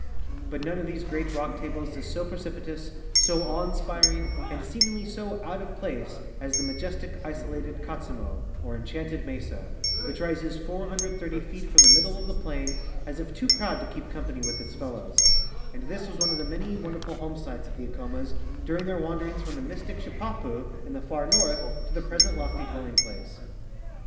But none of these great rock tables is so precipitous, so awe inspiring, and seemingly so out of place as the majestic isolateil Katzimo or E]nchanted Mesa, which rises 430 feet from the middle of the plain as if too proud to kee|) comyiany with it s fellows; and this was one of the many wonderful homesites of tlie 10 274 THE ENCHANTED MESA Acoraas durino; their wanderings from the mystic Shipiipu in the far north to their present loft}^ dwelling place.